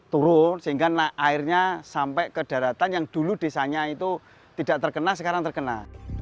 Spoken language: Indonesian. turun sehingga airnya sampai ke daratan yang dulu desanya itu tidak terkena sekarang terkena